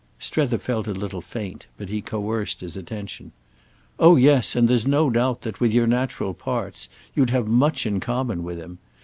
Strether felt a little faint, but he coerced his attention. "Oh yes, and there's no doubt that, with your natural parts, you'd have much in common with him.